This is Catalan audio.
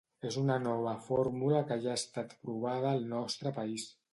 És una nova fórmula que ja ha estat provada al nostre país.